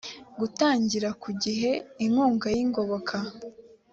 gutangira ku gihe inkunga y’ingoboka